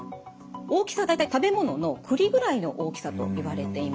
大きさは大体食べ物の栗ぐらいの大きさといわれています。